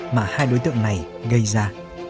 mà hai đối tượng này gây ra